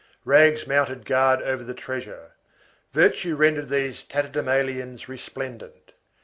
Rags mounted guard over the treasure. Virtue rendered these tatterdemalions resplendent.